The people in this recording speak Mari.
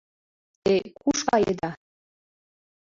— Те куш каеда?